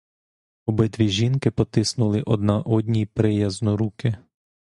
Обидві жінки потисли одна одній приязно руки.